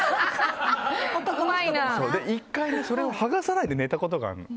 １回、それを剥がさないで寝たことがあるの。